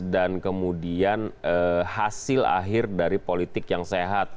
dan kemudian hasil akhir dari politik yang sehat